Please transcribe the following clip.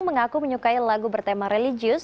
mengaku menyukai lagu bertema religius